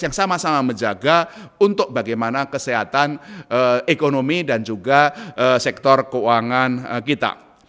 yang sama sama menjaga untuk bagaimana kesehatan ekonomi dan juga sektor keuangan kita